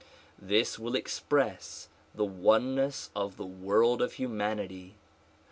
This will express the oneness of the world of humanity.